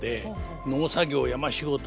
農作業山仕事